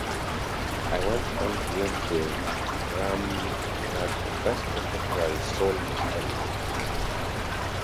It went on to win the Grammy Award for Best Contemporary Soul Gospel Album.